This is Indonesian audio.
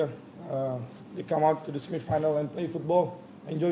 mereka akan menikmati permainan di semisal ini